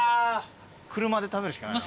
車で食べるしかないな。